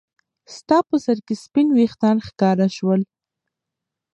ستا په سر کې سپین ويښتان ښکاره شول.